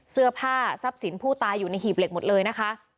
เสื้อผ้าทรัพย์สินผู้ตายอยู่ในหีบเหล็กหมดเลยนะคะ